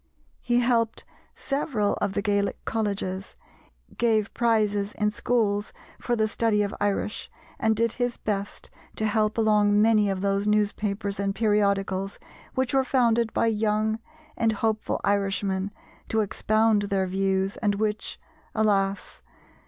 He helped several of the Gaelic Colleges, gave prizes in schools for the study of Irish, and did his best to help along many of those newspapers and periodicals which were founded by young and hopeful Irishmen to expound their views and which alas!